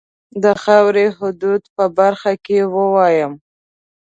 د خاوري حدودو په برخه کې ووایم.